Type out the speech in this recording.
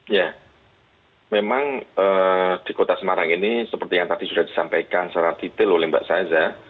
ya memang di kota semarang ini seperti yang tadi sudah disampaikan secara detail oleh mbak saza